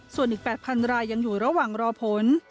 ส่วนอีก๘๐๐รายยังอยู่ระหว่างรอผล